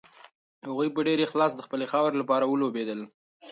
هغوی په ډېر اخلاص د خپلې خاورې لپاره ولوبېدل.